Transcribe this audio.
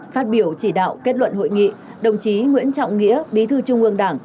phát biểu chỉ đạo kết luận hội nghị đồng chí nguyễn trọng nghĩa bí thư trung ương đảng